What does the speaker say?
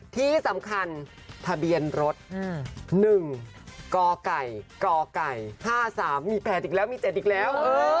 ที่สำคัญทะเบียนรถ๑กไก่กไก่๕๓มี๘อีกแล้วมี๗อีกแล้ว